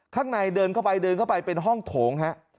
ข้างในเดินเข้าไปเป็นห้องโถงครับ